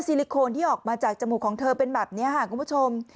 ลิโคนที่ออกมาจากจมูกของเธอเป็นแบบนี้ค่ะคุณผู้ชม